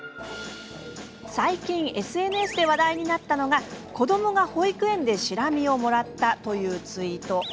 最近、ＳＮＳで話題になったのが子どもが保育園でシラミをもらったというツイート。